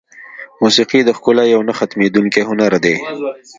موسیقي د ښکلا یو نه ختمېدونکی هنر دی.